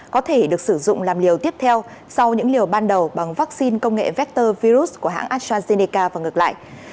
có thể được sử dụng làm liều tiếp theo sau những liều ban đầu bằng vaccine công nghệ vector virus của hãng astrazeneca và ngược lại